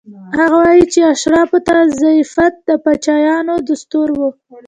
هغه وايي چې اشرافو ته ضیافت د پاچایانو دستور و.